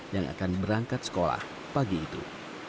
yang akan berangkat sekolah pagi itu